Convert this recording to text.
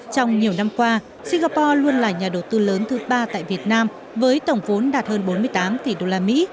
trong nhiều năm qua singapore luôn là nhà đầu tư lớn thứ ba tại việt nam với tổng vốn đạt hơn bốn mươi tám tỷ đô la mỹ